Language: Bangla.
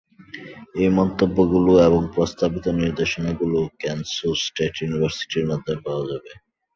এই মন্তব্যগুলো এবং প্রস্তাবিত নির্দেশনাগুলো কেনসও স্টেট ইউনিভার্সিটির মাধ্যমে পাওয়া যাবে।